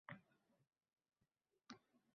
Jerar Depardye:Mening oʻzbekcha orzuim!